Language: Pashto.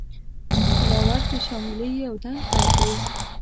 قلاور د شانګلې یو دنګ غر دے